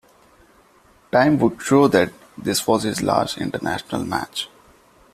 Time would show that this was his last international match.